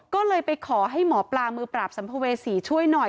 ก็เลยไปขอให้หมอปลามือปราบสัมภเวษีช่วยหน่อย